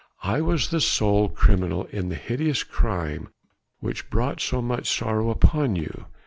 I was the sole criminal in the hideous outrage which brought so much sorrow upon you.